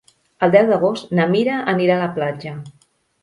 El deu d'agost na Mira anirà a la platja.